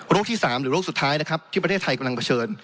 ที่๓หรือโรคสุดท้ายนะครับที่ประเทศไทยกำลังเผชิญ